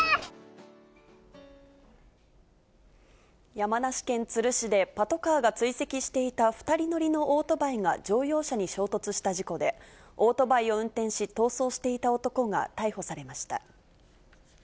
山梨県都留市で、パトカーが追跡していた２人乗りのオートバイが乗用車に衝突した事故で、オートバイを運転し、逃走していた男が逮捕されました。